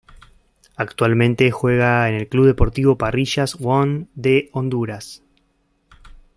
Actualmente juega en el Club Deportivo Parrillas One de Honduras.